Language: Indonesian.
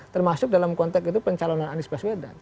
termasuk dalam konteks itu pencalonan anies baswedan